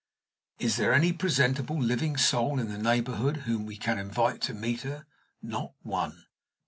Is there any presentable living soul in the neighborhood whom we can invite to meet her? Not one.